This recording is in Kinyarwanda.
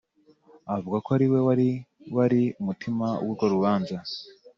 avuga ko ariwe wari wari umutima w’urwo rubanza